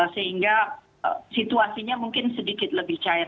sehingga situasinya mungkin sedikit lebih cair